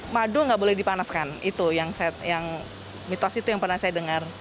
madu nggak boleh dipanaskan itu yang mitos itu yang pernah saya dengar